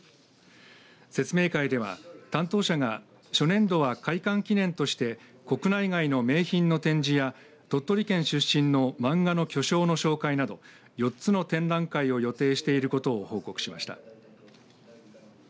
説明会では担当者が初年度は開館記念として国内外の名品の展示や鳥取県出身の漫画の巨匠の紹介など４つの展覧会を予定していることを報告しました。